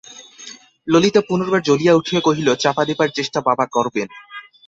ললিতা পুনর্বার জ্বলিয়া উঠিয়া কহিল, চাপা দেবার চেষ্টা বাবা করবেন!